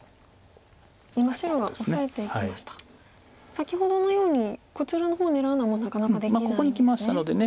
先ほどのようにこちらの方を狙うのはもうなかなかできないんですね。